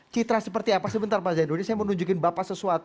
citra seperti apa sebentar pak zainuddin saya mau nunjukin bapak sesuatu